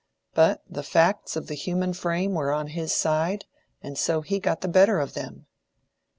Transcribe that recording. But the facts of the human frame were on his side; and so he got the better of them."